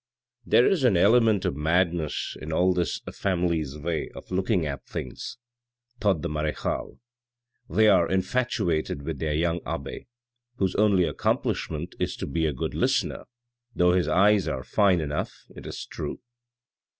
There is an element of madness in all this family's way of looking at things," thought the marechale; "they are in fatuated with their young abbe, whose only accomplishment is to be a good listener, though his eyes are fine enough, it is true."